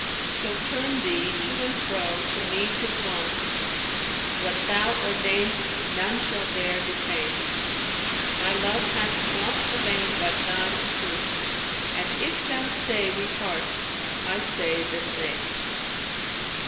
So turn Thee to or fro, to me 'tis one; * What Thou ordainest none shall dare defame: My love hath naught of aim but Thine approof * And if Thou say we part I say the same.'"